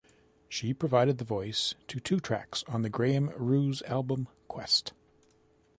She provided the voice to two tracks on the Graham Roos album "Quest".